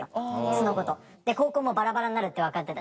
その子と。で高校もバラバラになるって分かってたし。